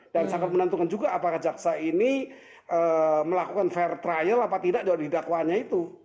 dan sangat menentukan juga apakah jaksa ini melakukan fair trial atau tidak di dakwaannya itu